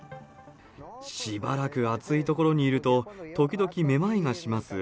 しばらく暑い所にいると、時々めまいがします。